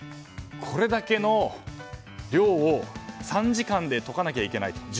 これだけの量を３時間で解かなきゃいけないと。